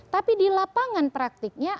tapi di lapangan praktiknya